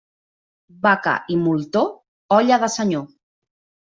Vaca i moltó, olla de senyor.